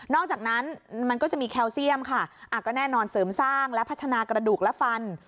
อกจากนั้นมันก็จะมีแคลเซียมค่ะก็แน่นอนเสริมสร้างและพัฒนากระดูกและฟัน